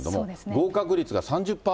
合格率が３０％。